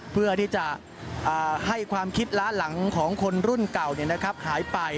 เพื่อที่จะให้ความคิดล้าหลังของคนรุ่นเก่าหายไป